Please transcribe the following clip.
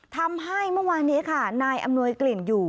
ทำให้เมื่อวานนี้ค่ะนายอำนวยกลิ่นอยู่